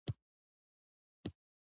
د هند په تاریخ کې د سزا بل ډول هم شته.